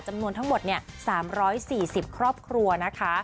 จำนวนทั้งหมด๓๔๐ครอบครัวนะคะ